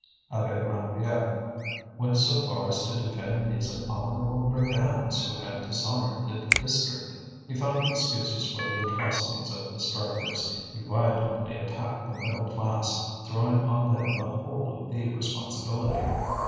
Abbé Ranvier went so far as to defend these abominable brigands who had dishonoured the district. He found excuses for the atrocities of the strikers; he violently attacked the middle class, throwing on them the whole of the responsibility.